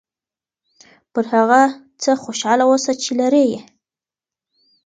پر هغه څه خوشحاله اوسه چې لرې یې.